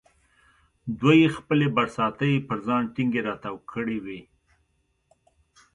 دوی خپلې برساتۍ پر ځان ټینګې را تاو کړې وې.